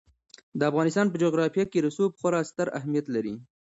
د افغانستان په جغرافیه کې رسوب خورا ستر اهمیت لري.